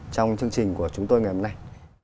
trong chương trình của chúng tôi ngày hôm nay